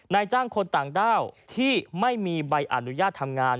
นายจ้างคนต่างด้าวที่ไม่มีใบอนุญาตทำงาน